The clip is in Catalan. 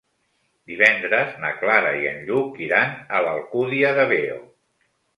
Divendres na Clara i en Lluc iran a l'Alcúdia de Veo.